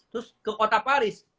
terus ke kota paris